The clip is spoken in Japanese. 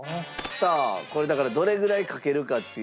さあこれだからどれぐらいかけるかっていうところもね